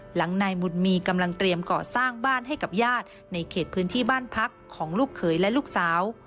หลังนายบุญมีกำลังเตรียมก่อสร้างบ้านให้กับญาติในเขตพื้นที่บ้านพักของลูกเขยและลูกสาว